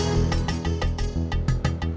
ya ada tiga orang